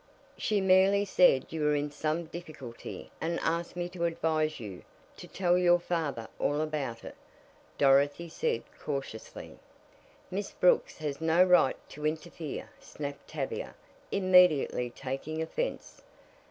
"She merely said you were in some difficulty and asked me to advise you to tell your father all about it," Dorothy said cautiously. "Miss Brooks has no right to interfere!" snapped Tavia, immediately taking offense.